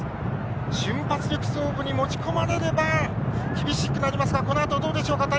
瞬発力勝負に持ち込まれれば厳しくなりますがこのあと、どうでしょうか。